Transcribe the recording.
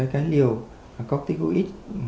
cái liều copticoid